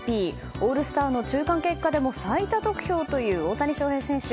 オールスターの中間結果でも最多得票という大谷翔平選手。